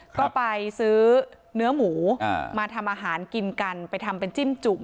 ก็ไปซื้อเนื้อหมูมาทำอาหารกินกันไปทำเป็นจิ้มจุ่ม